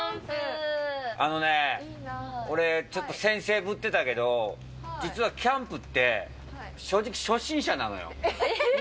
あのね、俺、ちょっと先生ぶってたけど、実はキャンプって正直、初心者なのよ。